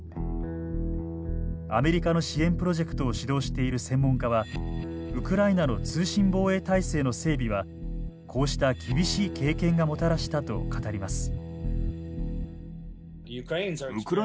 アメリカの支援プロジェクトを主導している専門家はウクライナの通信防衛体制の整備はこうした厳しい経験がもたらしたと語ります。